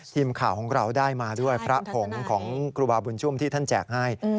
ทีมข่าวของเราได้มาด้วยพระผงของครูบาบุญชุ่มที่ท่านแจกให้